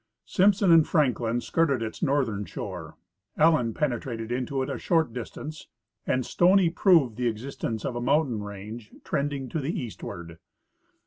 Simpson and Franklin skirted its northern shore, Allen penetrated into it a short distance, and Stoney proved the existence of a mountain range trending to the eastward.